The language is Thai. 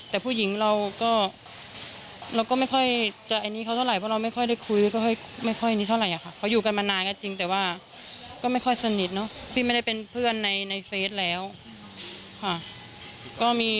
แต่เรารู้ว่าน้องเราอ่ะแต่ผู้หญิงเราก็